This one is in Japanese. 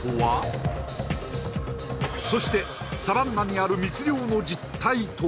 そしてサバンナにある密猟の実態とは？